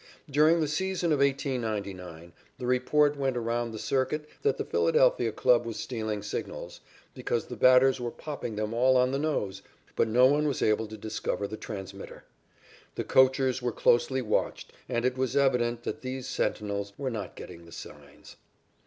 During the season of 1899 the report went around the circuit that the Philadelphia club was stealing signals, because the batters were popping them all on the nose, but no one was able to discover the transmitter. The coachers were closely watched and it was evident that these sentinels were not getting the signs.